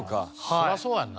そりゃそうやんな。